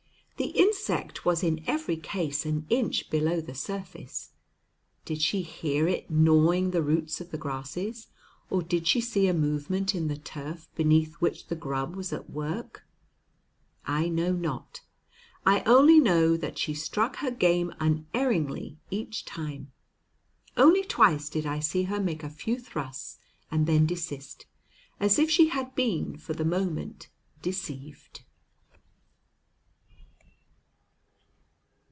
The insect was in every case an inch below the surface. Did she hear it gnawing the roots of the grasses, or did she see a movement in the turf beneath which the grub was at work? I know not. I only know that she struck her game unerringly each time. Only twice did I see her make a few thrusts and then desist, as if she had been for the moment deceived.